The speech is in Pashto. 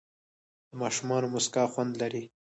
د ماشومانو موسکا خوند لري.